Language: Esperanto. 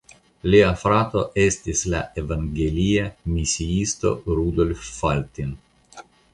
Lia frato estis la evangelia misiisto Rudolf Faltin.